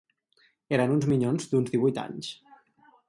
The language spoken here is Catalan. Eren uns minyons d'uns divuit anys